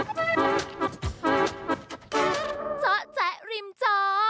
เจาะแจ๊ะริมจอ